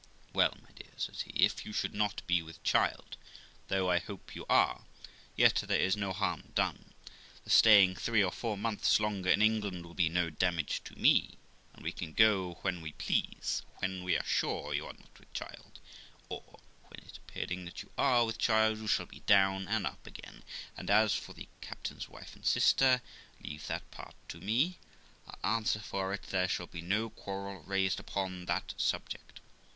'Well, my dear', says he, 'if you should not be with child, though I hope you are, yet there is no harm done; the staying three or four months longer in England will be no damage to me, and we can go when we please, when we are sure you are not with child, or, when it appearing that you are with child, you shall be down and up again; and as for the captain's wife and sister, leave that part to me ; I'll answer for it there shall be no quarrel raised upon that subject.